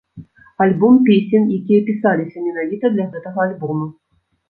Альбом песень, якія пісаліся менавіта для гэтага альбома.